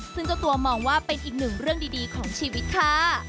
ซึ่งเจ้าตัวมองว่าเป็นอีกหนึ่งเรื่องดีของชีวิตค่ะ